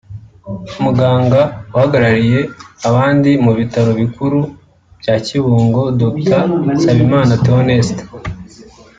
Muganga uhagarariye abandi mu bitaro bikuru bya Kibungo Dr Nsabimana Theoneste